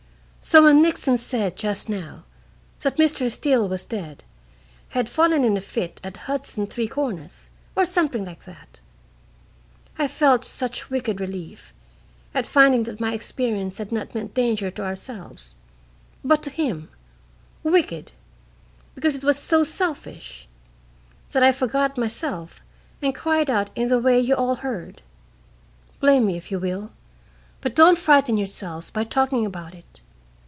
"So when Nixon said just now that Mr. Steele was dead, had fallen in a fit at Hudson Three Corners or something like that I felt such wicked relief at finding that my experience had not meant danger to ourselves, but to him wicked, because it was so selfish that I forgot myself and cried out in the way you all heard. Blame me if you will, but don't frighten yourselves by talking about it.